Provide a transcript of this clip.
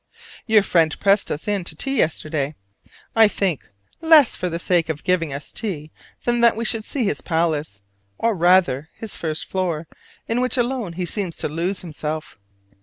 Your friend pressed us in to tea yesterday: I think less for the sake of giving us tea than that we should see his palace, or rather his first floor, in which alone he seems to lose himself.